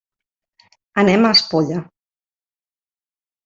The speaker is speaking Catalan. Anem a Espolla.